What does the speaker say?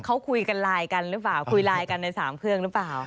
เขาคุยกันไลน์กันหรือเปล่าคุยไลน์กันในสามเครื่องหรือเปล่า